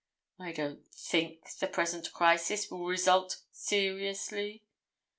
I don't think the present crisis will result seriously.